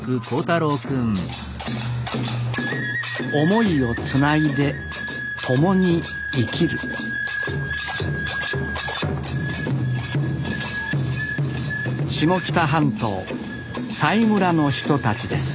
思いをつないでともに生きる下北半島佐井村の人たちです